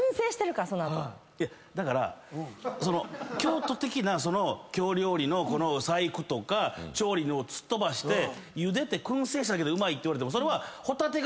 だから京都的なその京料理の細工とか調理をすっ飛ばして茹でて燻製しただけでうまいって言われてもそれは。